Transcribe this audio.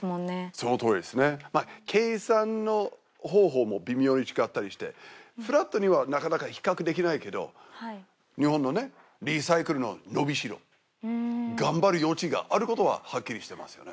そのとおりですねまぁ計算の方法も微妙に違ったりしてフラットにはなかなか比較できないけど日本のねリサイクルの伸びしろ頑張る余地があることははっきりしてますよね